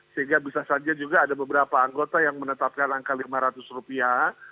sehingga bisa saja juga ada beberapa anggota yang menetapkan angka lima ratus rupiah